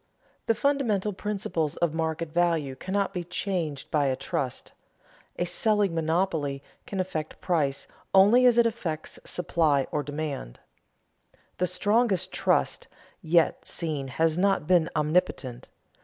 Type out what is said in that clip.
_The fundamental principles of market value cannot be changed by a trust; a selling monopoly can affect price only as it affects supply or demand._ The strongest "trust" yet seen has not been omnipotent.